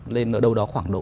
lên ở đâu đó khoảng độ